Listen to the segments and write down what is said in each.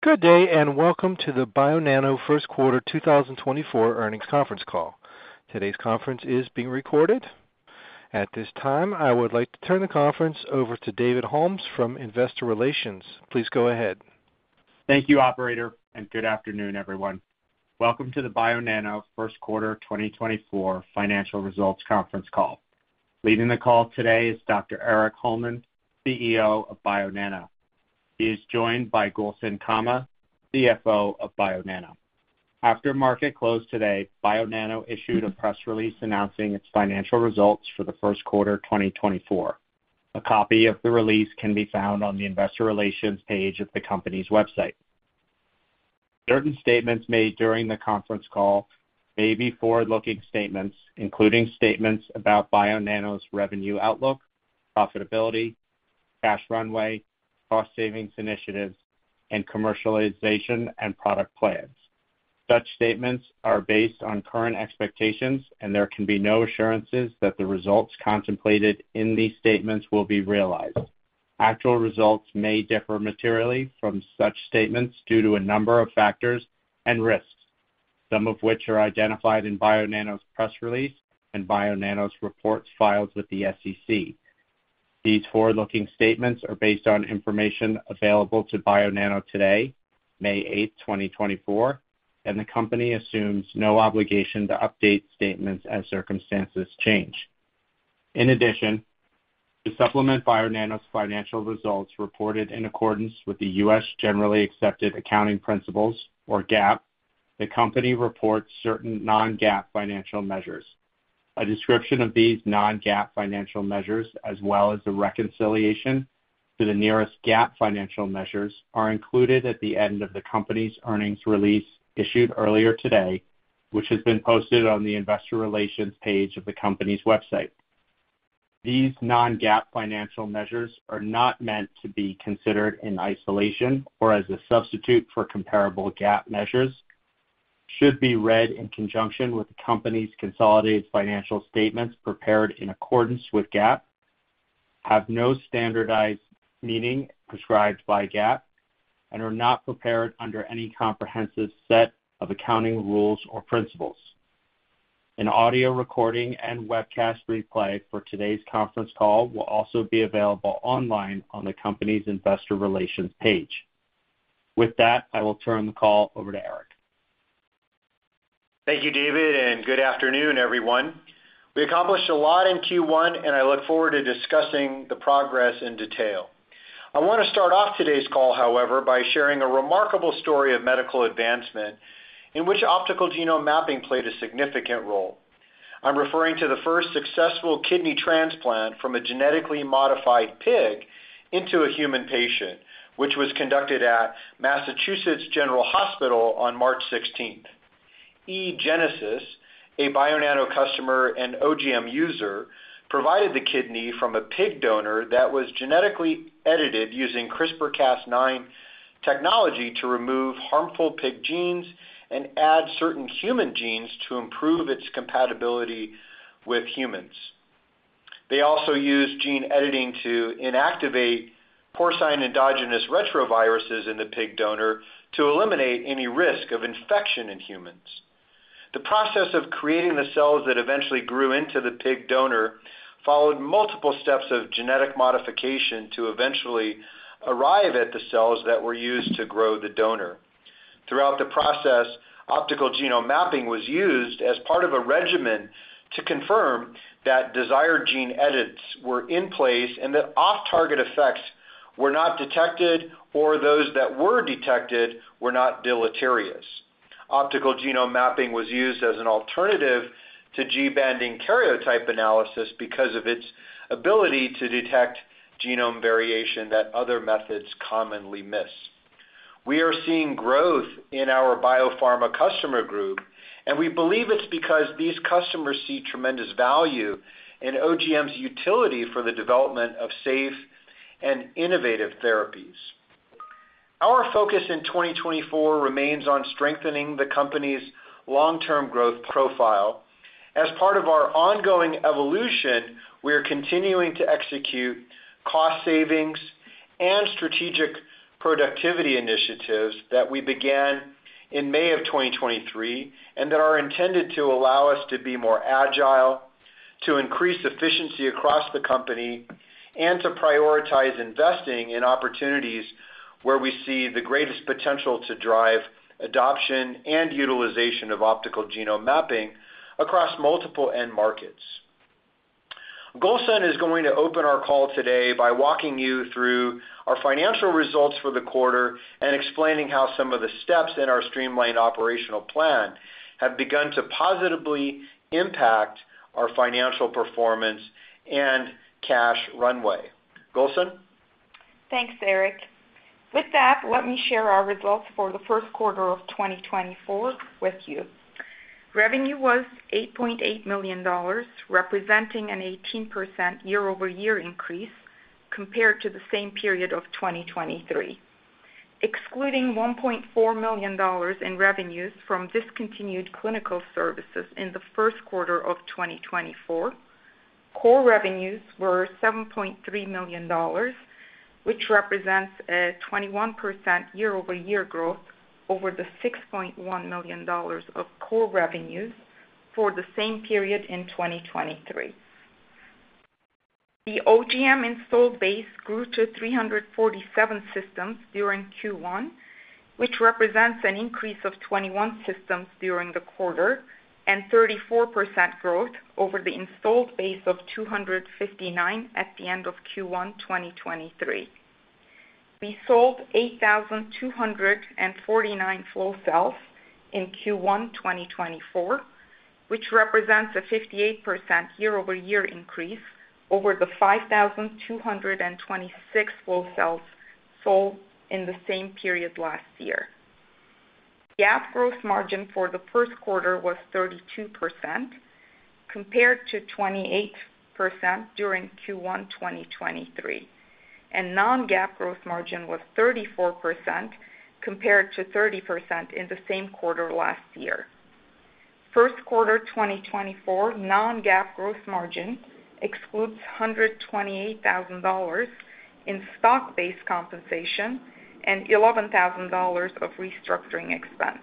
Good day, and welcome to the Bionano first quarter 2024 earnings conference call. Today's conference is being recorded. At this time, I would like to turn the conference over to David Holmes from Investor Relations. Please go ahead. Thank you, operator, and good afternoon, everyone. Welcome to the Bionano first quarter 2024 financial results conference call. Leading the call today is Dr. Erik Holmlin, CEO of Bionano. He is joined by Gülsen Kama, CFO of Bionano. After market close today, Bionano issued a press release announcing its financial results for the first quarter, 2024. A copy of the release can be found on the investor relations page of the company's website. Certain statements made during the conference call may be forward-looking statements, including statements about Bionano's revenue outlook, profitability, cash runway, cost savings initiatives, and commercialization and product plans. Such statements are based on current expectations, and there can be no assurances that the results contemplated in these statements will be realized. Actual results may differ materially from such statements due to a number of factors and risks, some of which are identified in Bionano's press release and Bionano's reports filed with the SEC. These forward-looking statements are based on information available to Bionano today, May 8th, 2024, and the company assumes no obligation to update statements as circumstances change. In addition, to supplement Bionano's financial results reported in accordance with the U.S. generally accepted accounting principles, or GAAP, the company reports certain non-GAAP financial measures. A description of these non-GAAP financial measures, as well as a reconciliation to the nearest GAAP financial measures, are included at the end of the company's earnings release issued earlier today, which has been posted on the investor relations page of the company's website. These non-GAAP financial measures are not meant to be considered in isolation or as a substitute for comparable GAAP measures, should be read in conjunction with the company's consolidated financial statements prepared in accordance with GAAP, have no standardized meaning prescribed by GAAP, and are not prepared under any comprehensive set of accounting rules or principles. An audio recording and webcast replay for today's conference call will also be available online on the company's investor relations page. With that, I will turn the call over to Erik. Thank you, David, and good afternoon, everyone. We accomplished a lot in Q1, and I look forward to discussing the progress in detail. I want to start off today's call, however, by sharing a remarkable story of medical advancement in which optical genome mapping played a significant role. I'm referring to the first successful kidney transplant from a genetically modified pig into a human patient, which was conducted at Massachusetts General Hospital on March 16th. eGenesis, a Bionano customer and OGM user, provided the kidney from a pig donor that was genetically edited using CRISPR-Cas9 technology to remove harmful pig genes and add certain human genes to improve its compatibility with humans. They also used gene editing to inactivate porcine endogenous retroviruses in the pig donor to eliminate any risk of infection in humans. The process of creating the cells that eventually grew into the pig donor followed multiple steps of genetic modification to eventually arrive at the cells that were used to grow the donor. Throughout the process, Optical Genome Mapping was used as part of a regimen to confirm that desired gene edits were in place, and that off-target effects were not detected, or those that were detected were not deleterious. Optical Genome Mapping was used as an alternative to G-banding karyotype analysis because of its ability to detect genome variation that other methods commonly miss. We are seeing growth in our biopharma customer group, and we believe it's because these customers see tremendous value in OGM's utility for the development of safe and innovative therapies. Our focus in 2024 remains on strengthening the company's long-term growth profile. As part of our ongoing evolution, we are continuing to execute cost savings and strategic productivity initiatives that we began in May of 2023, and that are intended to allow us to be more agile, to increase efficiency across the company, and to prioritize investing in opportunities where we see the greatest potential to drive adoption and utilization of optical genome mapping across multiple end markets. Gülsen is going to open our call today by walking you through our financial results for the quarter and explaining how some of the steps in our streamlined operational plan have begun to positively impact our financial performance and cash runway. Gülsen? Thanks, Erik. With that, let me share our results for the first quarter of 2024 with you. Revenue was $8.8 million, representing an 18% year-over-year increase compared to the same period of 2023. Excluding $1.4 million in revenues from discontinued clinical services in the first quarter of 2024. Core revenues were $7.3 million, which represents a 21% year-over-year growth over the $6.1 million of core revenues for the same period in 2023. The OGM installed base grew to 347 systems during Q1, which represents an increase of 21 systems during the quarter and 34% growth over the installed base of 259 at the end of Q1, 2023. We sold 8,249 flow cells in Q1 2024, which represents a 58% year-over-year increase over the 5,226 flow cells sold in the same period last year. GAAP gross margin for the first quarter was 32%, compared to 28% during Q1 2023, and non-GAAP gross margin was 34%, compared to 30% in the same quarter last year. First quarter 2024 non-GAAP gross margin excludes $128,000 in stock-based compensation and $11,000 of restructuring expense.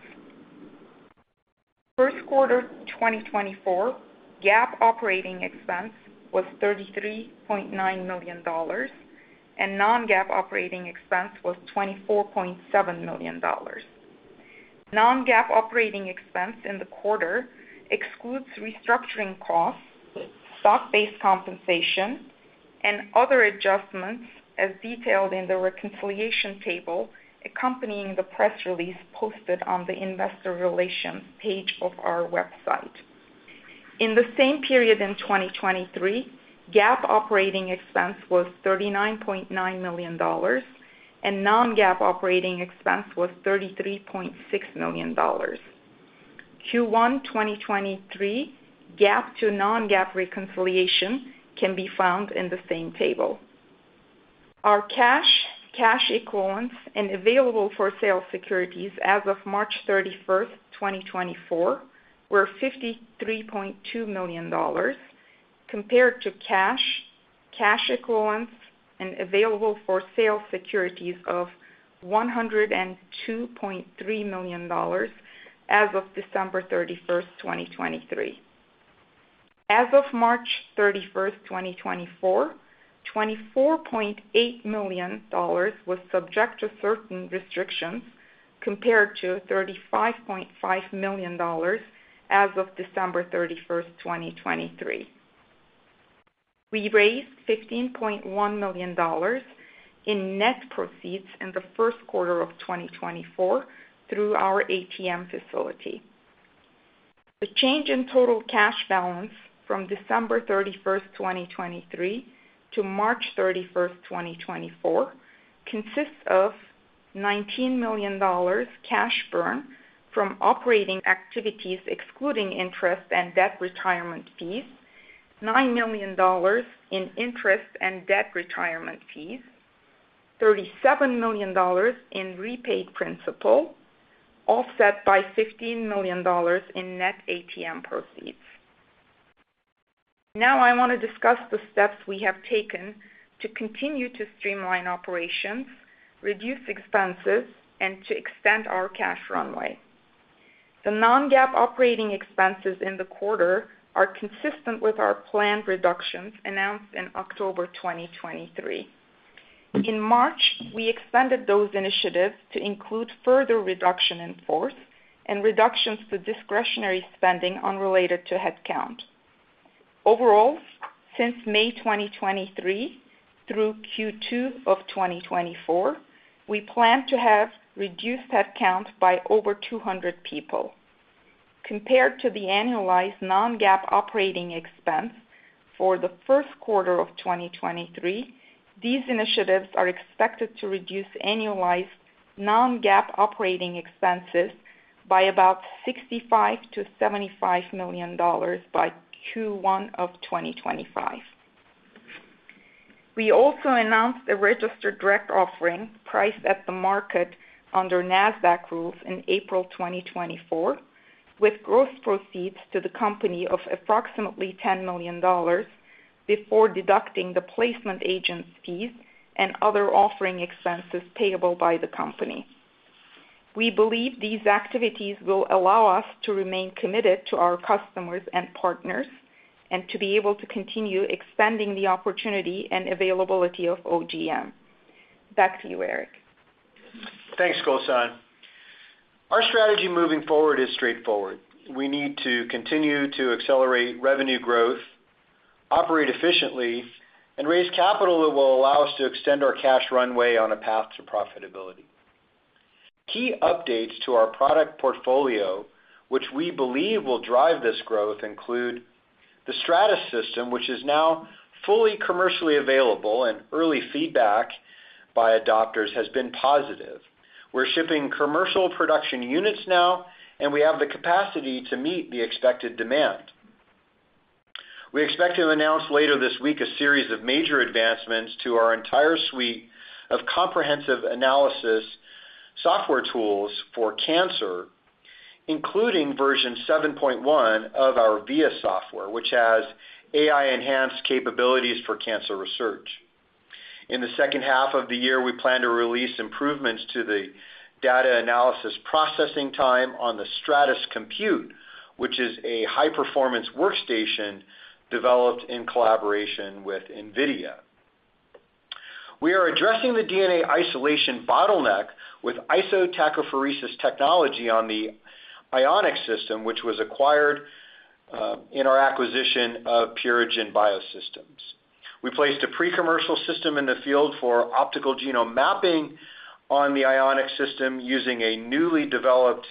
First quarter 2024 GAAP operating expense was $33.9 million, and non-GAAP operating expense was $24.7 million. Non-GAAP operating expense in the quarter excludes restructuring costs, stock-based compensation, and other adjustments, as detailed in the reconciliation table accompanying the press release posted on the investor relations page of our website. In the same period in 2023, GAAP operating expense was $39.9 million, and non-GAAP operating expense was $33.6 million. Q1 2023 GAAP to non-GAAP reconciliation can be found in the same table. Our cash, cash equivalents, and available-for-sale securities as of March 31st, 2024, were $53.2 million, compared to cash, cash equivalents, and available-for-sale securities of $102.3 million as of December 31st, 2023. As of March 31st, 2024, $24.8 million was subject to certain restrictions, compared to $35.5 million as of December 31, 2023. We raised $15.1 million in net proceeds in the first quarter of 2024 through our ATM facility. The change in total cash balance from December 31st, 2023, to March 31st, 2024, consists of $19 million cash burn from operating activities, excluding interest and debt retirement fees, $9 million in interest and debt retirement fees, $37 million in repaid principal, offset by $15 million in net ATM proceeds. Now, I want to discuss the steps we have taken to continue to streamline operations, reduce expenses, and to extend our cash runway. The non-GAAP operating expenses in the quarter are consistent with our planned reductions announced in October 2023. In March, we expanded those initiatives to include further reduction in force and reductions to discretionary spending unrelated to headcount. Overall, since May 2023 through Q2 of 2024, we plan to have reduced headcount by over 200 people. Compared to the annualized non-GAAP operating expense for the first quarter of 2023, these initiatives are expected to reduce annualized non-GAAP operating expenses by about $65million-$75 million by Q1 of 2025. We also announced a registered direct offering priced at the market under Nasdaq rules in April 2024, with gross proceeds to the company of approximately $10 million, before deducting the placement agent's fees and other offering expenses payable by the company. We believe these activities will allow us to remain committed to our customers and partners, and to be able to continue expanding the opportunity and availability of OGM. Back to you, Erik. Thanks, Gülsen. Our strategy moving forward is straightforward. We need to continue to accelerate revenue growth, operate efficiently, and raise capital that will allow us to extend our cash runway on a path to profitability. Key updates to our product portfolio, which we believe will drive this growth, include the Stratys system, which is now fully commercially available, and early feedback by adopters has been positive. We're shipping commercial production units now, and we have the capacity to meet the expected demand. We expect to announce later this week a series of major advancements to our entire suite of comprehensive analysis software tools for cancer, including version 7.1 of our VIA software, which has AI-enhanced capabilities for cancer research. In the second half of the year, we plan to release improvements to the data analysis processing time on the Stratys Compute, which is a high-performance workstation developed in collaboration with NVIDIA. We are addressing the DNA isolation bottleneck with isotachophoresis technology on the Ionic system, which was acquired in our acquisition of Purigen Biosystems. We placed a pre-commercial system in the field for optical genome mapping on the Ionic system, using a newly developed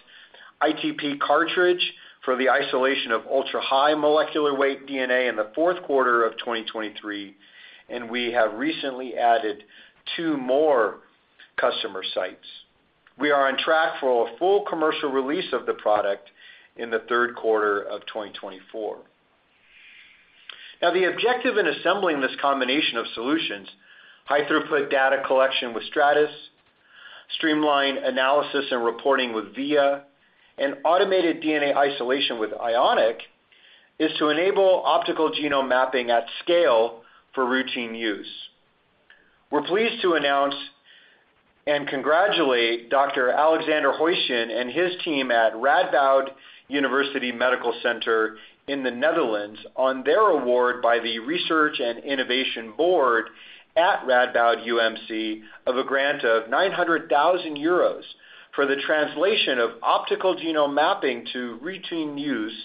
ITP cartridge for the isolation of ultra-high molecular weight DNA in the fourth quarter of 2023, and we have recently added two more customer sites. We are on track for a full commercial release of the product in the third quarter of 2024. Now, the objective in assembling this combination of solutions, high throughput data collection with Stratys, streamlined analysis and reporting with VIA, and automated DNA isolation with Ionic, is to enable optical genome mapping at scale for routine use. We're pleased to announce and congratulate Dr. Alexander Hoischen and his team at Radboud University Medical Center in the Netherlands on their award by the Research and Innovation Board at Radboud UMC, of a grant of 900,000 euros for the translation of optical genome mapping to routine use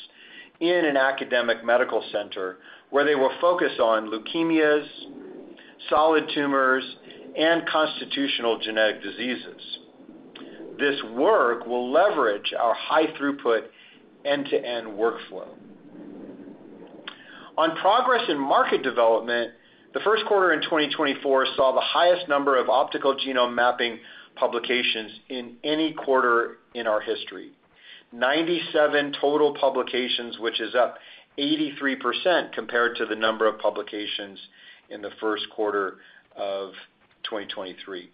in an academic medical center, where they will focus on leukemias, solid tumors, and constitutional genetic diseases. This work will leverage our high throughput end-to-end workflow. On progress in market development, the first quarter in 2024 saw the highest number of optical genome mapping publications in any quarter in our history. 97 total publications, which is up 83% compared to the number of publications in the first quarter of 2023.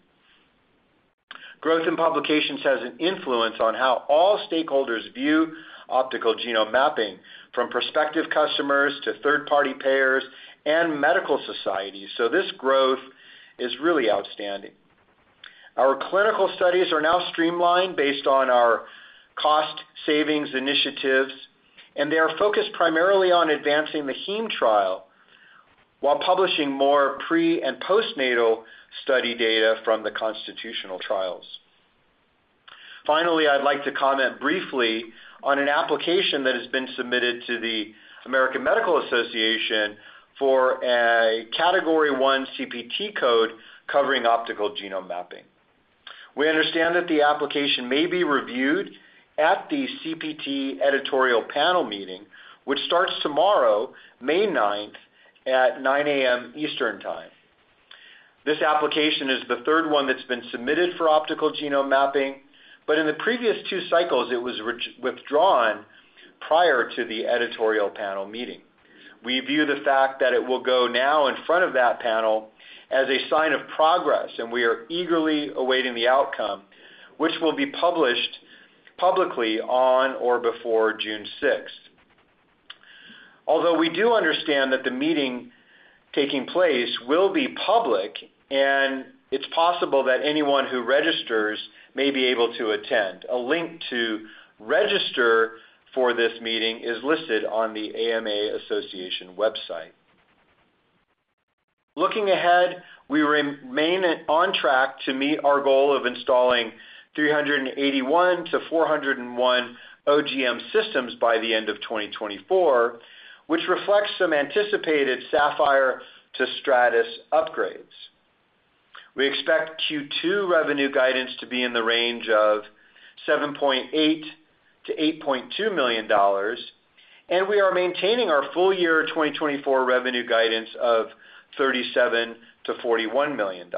Growth in publications has an influence on how all stakeholders view optical genome mapping, from prospective customers to third-party payers and medical societies, so this growth is really outstanding. Our clinical studies are now streamlined based on our cost savings initiatives, and they are focused primarily on advancing the Heme trial, while publishing more pre and postnatal study data from the constitutional trials. Finally, I'd like to comment briefly on an application that has been submitted to the American Medical Association for a category one CPT code, covering optical genome mapping. We understand that the application may be reviewed at the CPT editorial panel meeting, which starts tomorrow, May 9th, at 9:00 A.M. Eastern Time. This application is the third one that's been submitted for optical genome mapping, but in the previous two cycles, it was withdrawn prior to the editorial panel meeting. We view the fact that it will go now in front of that panel as a sign of progress, and we are eagerly awaiting the outcome, which will be published publicly on or before June 6th. Although, we do understand that the meeting taking place will be public, and it's possible that anyone who registers may be able to attend. A link to register for this meeting is listed on the American Medical Association website. Looking ahead, we remain on track to meet our goal of installing 381-401 OGM systems by the end of 2024, which reflects some anticipated Saphyr to Stratys upgrades. We expect Q2 revenue guidance to be in the range of $7.8 million-$8.2 million, and we are maintaining our full year 2024 revenue guidance of $37 million-$41 million.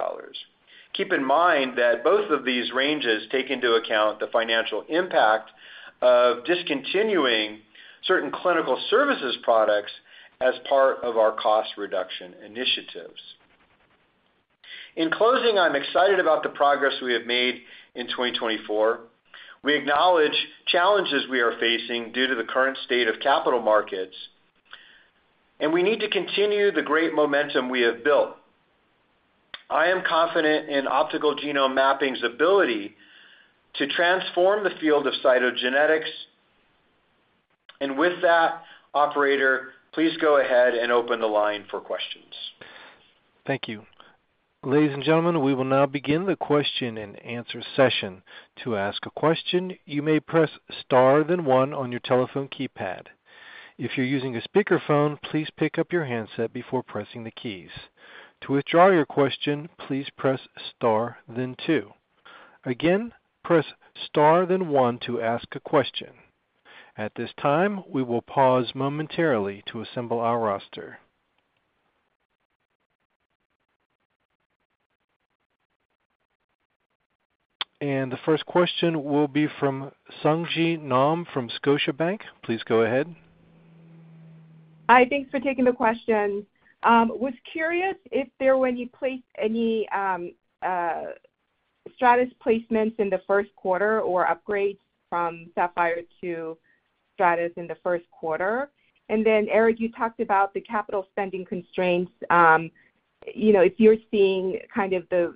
Keep in mind that both of these ranges take into account the financial impact of discontinuing certain clinical services products as part of our cost reduction initiatives. In closing, I'm excited about the progress we have made in 2024. We acknowledge challenges we are facing due to the current state of capital markets, and we need to continue the great momentum we have built. I am confident in optical genome mapping's ability to transform the field of cytogenetics. And with that, operator, please go ahead and open the line for questions. Thank you. Ladies and gentlemen, we will now begin the question-and-answer session. To ask a question, you may press star, then one on your telephone keypad. If you're using a speakerphone, please pick up your handset before pressing the keys. To withdraw your question, please press star, then two. Again, press star, then one to ask a question. At this time, we will pause momentarily to assemble our roster. The first question will be from Sung Ji Nam from Scotiabank. Please go ahead. Hi, thanks for taking the question. Was curious if there were any Stratys placements in the first quarter or upgrades from Saphyr to Stratys in the first quarter? And then, Erik, you talked about the capital spending constraints. You know, if you're seeing kind of the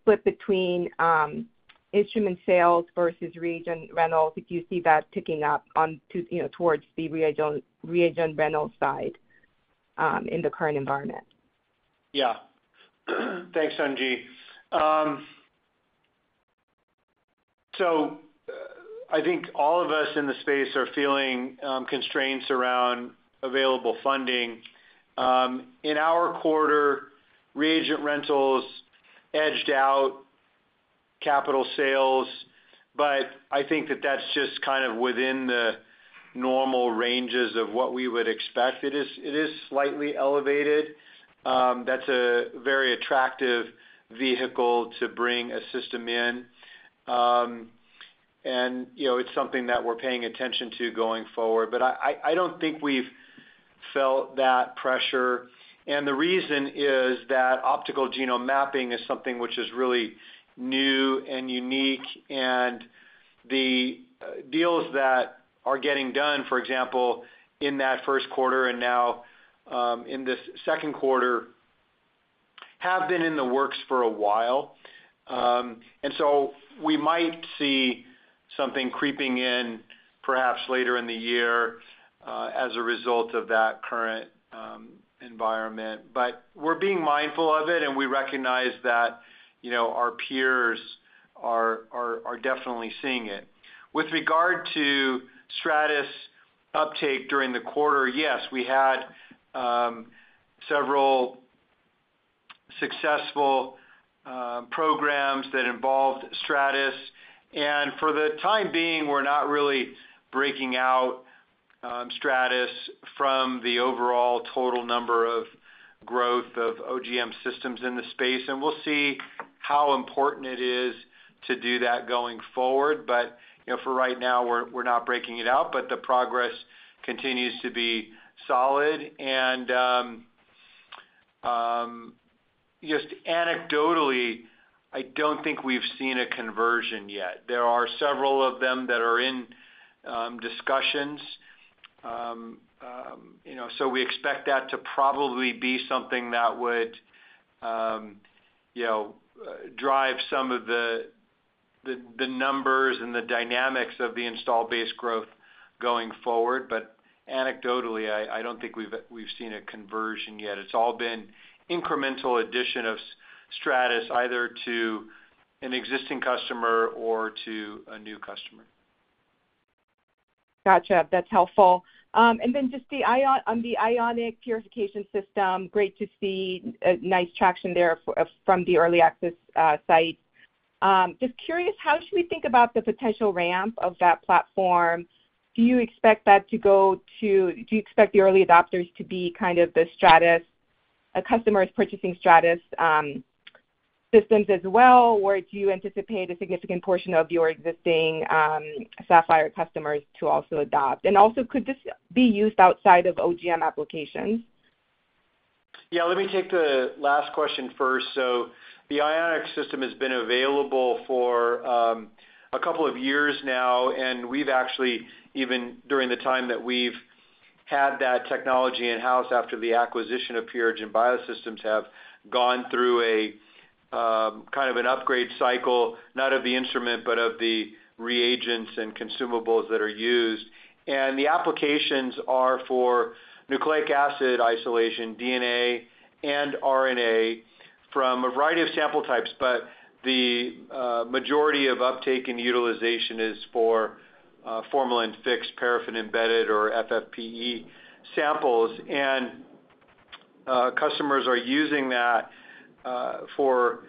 split between instrument sales versus reagent rentals, if you see that ticking up onto, you know, towards the reagent rental side in the current environment. Yeah. Thanks, Sung Ji. So I think all of us in the space are feeling constraints around available funding. In our quarter, reagent rentals edged out capital sales, but I think that's just kind of within the normal ranges of what we would expect. It is, it is slightly elevated. That's a very attractive vehicle to bring a system in. And, you know, it's something that we're paying attention to going forward. But I don't think we've felt that pressure, and the reason is that optical genome mapping is something which is really new and unique, and the deals that are getting done, for example, in that first quarter and now, in this second quarter, have been in the works for a while. And so we might see something creeping in perhaps later in the year, as a result of that current environment. But we're being mindful of it, and we recognize that, you know, our peers are definitely seeing it. With regard to Stratys uptake during the quarter, yes, we had several successful programs that involved Stratys. And for the time being, we're not really breaking out Stratys from the overall total number of growth of OGM systems in the space, and we'll see how important it is to do that going forward. But, you know, for right now, we're not breaking it out, but the progress continues to be solid. And just anecdotally, I don't think we've seen a conversion yet. There are several of them that are in discussions. You know, so we expect that to probably be something that would, you know, drive some of the numbers and the dynamics of the installed base growth going forward. But anecdotally, I don't think we've seen a conversion yet. It's all been incremental addition of Stratys, either to an existing customer or to a new customer. Gotcha, that's helpful. And then just on the Ionic purification system, great to see, nice traction there from the early access site. Just curious, how should we think about the potential ramp of that platform? Do you expect that to go to-- do you expect the early adopters to be kind of the Stratys customers purchasing Stratys systems as well? Or do you anticipate a significant portion of your existing Saphyr customers to also adopt? And also, could this be used outside of OGM applications? Yeah, let me take the last question first. So the Ionic system has been available for a couple of years now, and we've actually, even during the time that we've had that technology in-house after the acquisition of Purigen Biosystems, have gone through a kind of an upgrade cycle, not of the instrument, but of the reagents and consumables that are used. And the applications are for nucleic acid isolation, DNA and RNA, from a variety of sample types. But the majority of uptake and utilization is for formalin-fixed, paraffin-embedded, or FFPE samples. And customers are using that for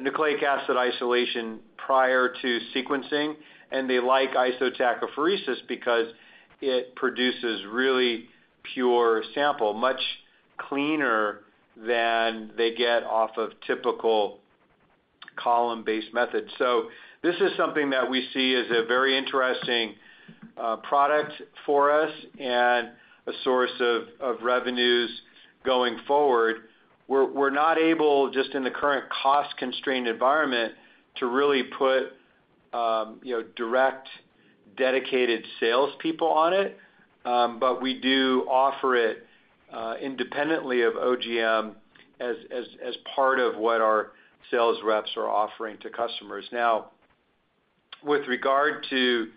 nucleic acid isolation prior to sequencing, and they like isotachophoresis because it produces really pure sample, much cleaner than they get off of typical column-based methods. So this is something that we see as a very interesting product for us and a source of revenues going forward. We're not able, just in the current cost-constrained environment, to really put you know, direct, dedicated salespeople on it, but we do offer it independently of OGM as part of what our sales reps are offering to customers. Now, with regard to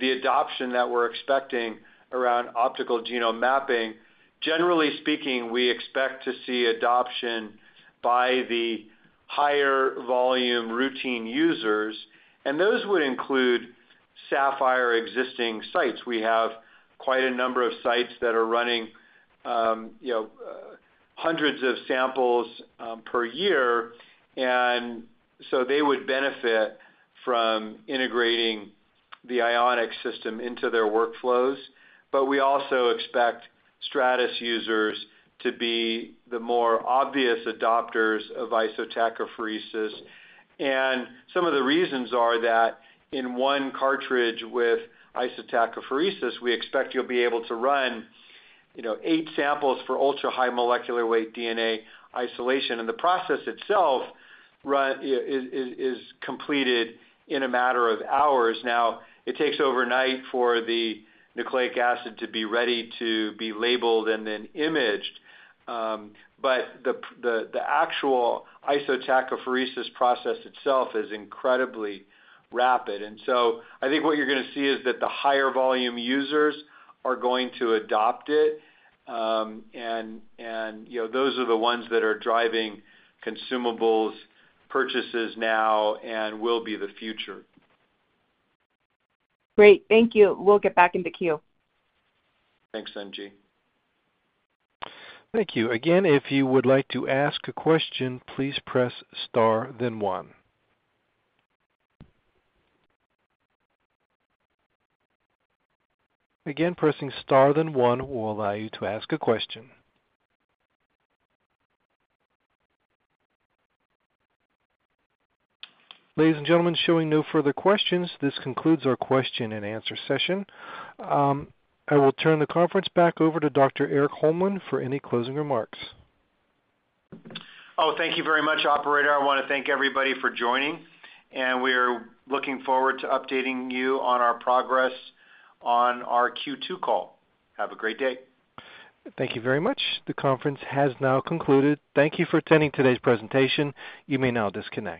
the adoption that we're expecting around optical genome mapping, generally speaking, we expect to see adoption by the higher volume routine users, and those would include Saphyr existing sites. We have quite a number of sites that are running you know, hundreds of samples per year, and so they would benefit from integrating the Ionic system into their workflows. But we also expect Stratys users to be the more obvious adopters of isotachophoresis. Some of the reasons are that in one cartridge with isotachophoresis, we expect you'll be able to run, you know, eight samples for ultra-high molecular weight DNA isolation, and the process itself is completed in a matter of hours. Now, it takes overnight for the nucleic acid to be ready to be labeled and then imaged, but the actual isotachophoresis process itself is incredibly rapid. And so I think what you're gonna see is that the higher volume users are going to adopt it, and, you know, those are the ones that are driving consumables purchases now and will be the future. Great. Thank you. We'll get back in the queue. Thanks, Sung Ji. Thank you. Again, if you would like to ask a question, please press star, then one. Again, pressing star then one will allow you to ask a question. Ladies and gentlemen, showing no further questions, this concludes our question and answer session. I will turn the conference back over to Dr. Erik Holmlin for any closing remarks. Oh, thank you very much, operator. I want to thank everybody for joining, and we are looking forward to updating you on our progress on our Q2 call. Have a great day. Thank you very much. The conference has now concluded. Thank you for attending today's presentation. You may now disconnect.